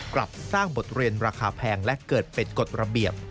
กลับสร้างบทเรียนราคาแพงและเกิดเป็นกฎระเบียบ